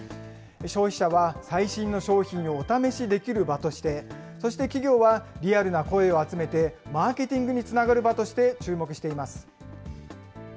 消費者は最新の商品をお試しできる場として、そして企業はリアルな声を集めて、マーケティングにつながる場として、注目しています。